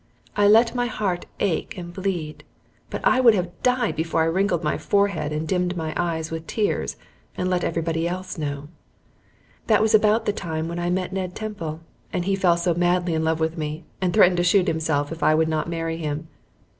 I let my heart ache and bleed, but I would have died before I wrinkled my forehead and dimmed my eyes with tears and let everybody else know. That was about the time when I met Ned Temple, and he fell so madly in love with me, and threatened to shoot himself if I would not marry him.